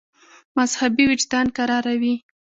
مذهبي وجدان کراروي.